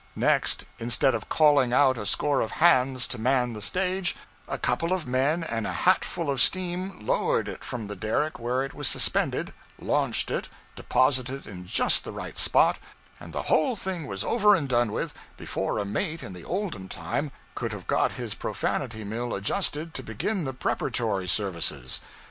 Next, instead of calling out a score of hands to man the stage, a couple of men and a hatful of steam lowered it from the derrick where it was suspended, launched it, deposited it in just the right spot, and the whole thing was over and done with before a mate in the olden time could have got his profanity mill adjusted to begin the preparatory services.